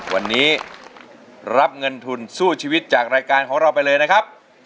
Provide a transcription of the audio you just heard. วันนี้รับเงินทุนสู้ชีวิตจากรายการของเราไปเลยนะครับ